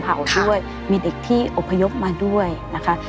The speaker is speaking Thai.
แล้วที่ถึงเมือง